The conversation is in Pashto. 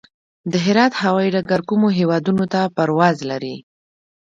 د هرات هوايي ډګر کومو هیوادونو ته پرواز لري؟